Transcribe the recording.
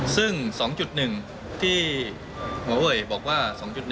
ซึ่ง๒๑ที่หมอเวยบอกว่า๒๑